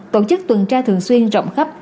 tổ chức tuần tra thường xuyên rộng khắp